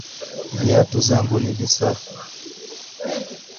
Viatu zangu ni visafi